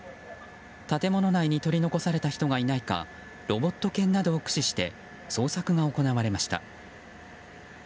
建物内に取り残された人がいないかロボット犬などを駆使して捜索が行われました。